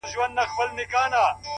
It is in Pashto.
په دومره سپینو کي عجیبه انتخاب کوي _